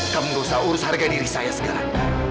kamu gak usah urus harga diri saya sekarang